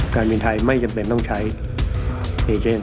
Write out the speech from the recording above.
การบินไทยไม่จำเป็นต้องใช้เอเจน